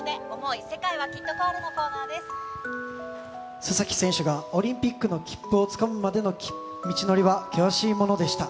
須崎選手がオリンピックの切符をつかむまでの道のりは険しいものでした。